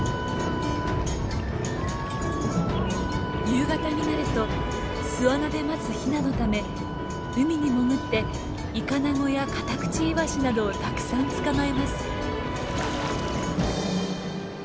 夕方になると巣穴で待つヒナのため海に潜ってイカナゴやカタクチイワシなどをたくさん捕まえます。